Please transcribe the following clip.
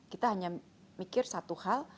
kita hanya mikir satu hal